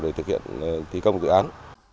để thực hiện thị công dự án